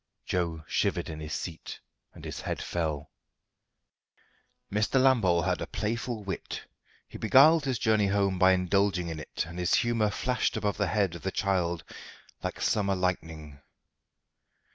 Joe shivered in his seat, and his head fell. Mr. Lambole had a playful wit. He beguiled his journey home by indulging in it, and his humour flashed above the head of the child like summer lightning.